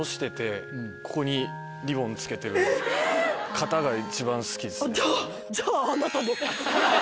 方が一番好きですね。